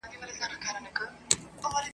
له لګېدلو سره توپیر وسي !.